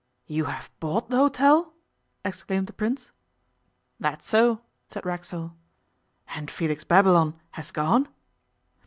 'You have bought the hotel!' exclaimed the Prince. 'That's so,' said Racksole. 'And Felix Babylon has gone?